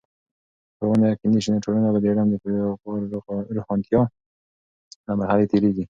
که ښوونه یقيني سي، نو ټولنه به د علم د روښانتیا له مرحلو تیریږي.